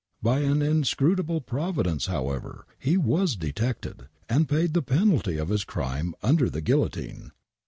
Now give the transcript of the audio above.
By an inscrutable providence, however, he was detected and paid the penalty of his crime under the guillotine.